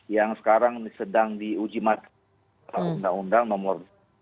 yang sekarang sedang diuji mati undang undang nomor dua dua ribu satu